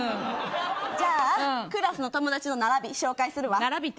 じゃあ、クラスの友達の並び紹介するわ。